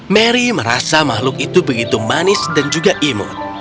mary merasa makhluk itu begitu manis dan juga imut